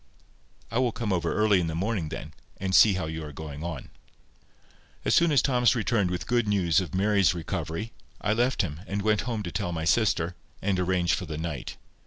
"I will come over early in the morning then, and see how you are going on." As soon as Thomas returned with good news of Mary's recovery, I left him, and went home to tell my sister, and arrange for the night.